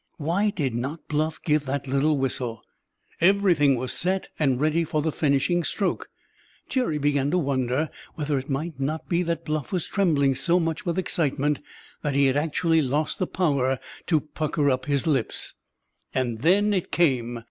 Why did not Bluff give that little whistle? Everything was set, and ready for the finishing stroke. Jerry began to wonder whether it might not be that Bluff was trembling so much with excitement that he had actually lost the power to pucker up his lips. Then it came.